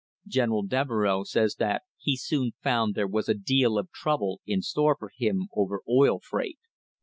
General Deve reux says that he soon found there was a deal of trouble in store for him over oil freight.